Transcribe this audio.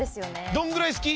どんぐらい好き？